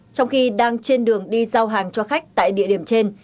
trong khi đang trên đường đi giao hàng cho khách tại địa điểm trên